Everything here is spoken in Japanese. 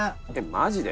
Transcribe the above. マジで？